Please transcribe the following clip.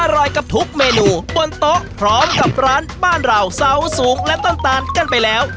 อร่อยกับทุกเมนูบนโต๊ะพร้อมกับร้านบ้านเราเสาสูงและต้นตาลกันไปแล้ว